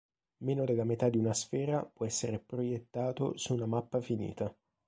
Meno della metà di una sfera può essere proiettato su una mappa finita.